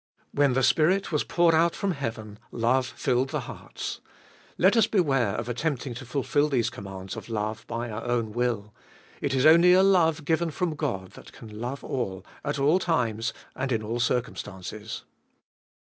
When the Spirit was poured out from heaven, love filed the hearts. Let us beware of attempting to fulfil these commands of love by our own will : It is only a love given from God that can love all, at all times and In all circumstances.